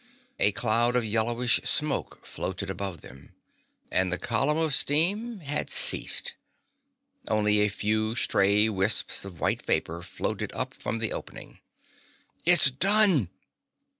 A cloud of yellowish smoke floated above them. And the column of steam had ceased! Only a few stray wisps of white vapor floated up from the opening. "It's done!"